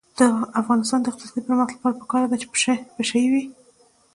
د افغانستان د اقتصادي پرمختګ لپاره پکار ده چې پشه یي وي.